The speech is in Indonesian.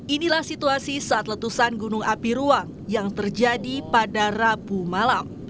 inilah situasi saat letusan gunung api ruang yang terjadi pada rabu malam